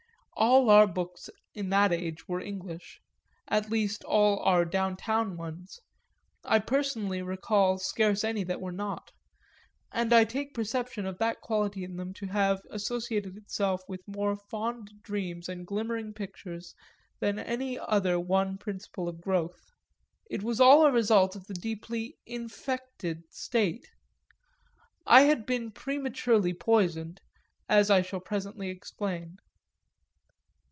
All our books in that age were English, at least all our down town ones I personally recall scarce any that were not; and I take the perception of that quality in them to have associated itself with more fond dreams and glimmering pictures than any other one principle of growth. It was all a result of the deeply infected state: I had been prematurely poisoned as I shall presently explain.